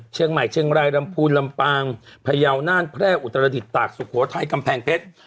เชียงใหม่เชียงรายลำพูนลำปางพยาวน่านแพร่อุตรดิษฐตากสุโขทัยกำแพงเพชร